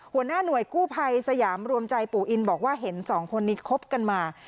หัวหน้าหน่วยกู้ภัยสยามรวมใจปู่อินบอกว่าเห็นสองคนนี้คบกันมา